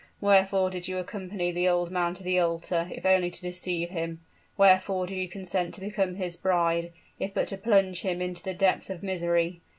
wherefore did you accompany the old man to the altar, if only to deceive him? Wherefore did you consent to become his bride, if but to plunge him into the depth of misery?